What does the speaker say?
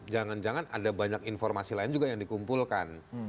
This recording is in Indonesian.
jangan jangan ada banyak informasi lain juga yang dikumpulkan